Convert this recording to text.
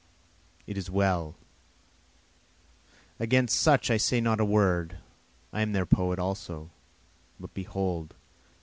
It is well against such I say not a word, I am their poet also, But behold!